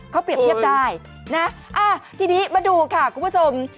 เขาเปรียบเทียบได้นะทีนี้มาดูค่ะคุณผู้ชม